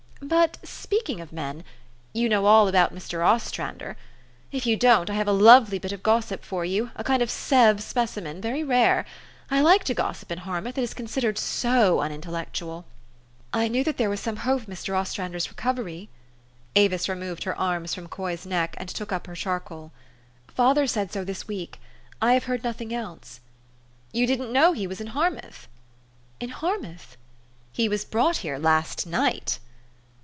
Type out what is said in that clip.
But speaking of men you know all about Mr. Os trander ? If you don't, I have a lovely bit of gossip for you, a Mnd of Sevres specimen, very rare. I like to gossip in Harmouth : it is considered so un intellectual." 4 ' I knew that there was some hope of Mr. Os trander's recovery." Avis removed her arms from Coy's neck, and took up her charcoal. "Father said so this week. I have heard nothing else." " You didn't know that he was in Harmouth? " "In Harmouth?" 158 THE STORY OF AVIS. " He was brought here last night."